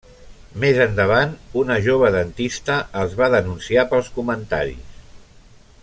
Més endavant una jove dentista els va denunciar pels comentaris.